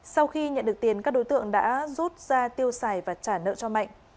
sau khi nhận được tiền các đối tượng đã rút ra tiêu xài và trả nợ cho mạnh